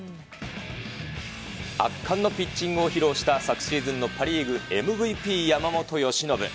圧巻のピッチングを披露した昨シーズンのＭＶＰ、山本由伸。